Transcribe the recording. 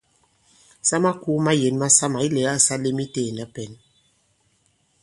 Sa makūu mayěn masamà ilɛ̀gâ sa lēm itē ìna pɛ̌n.